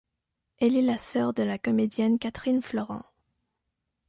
Elle est la sœur de la comédienne Catherine Florent.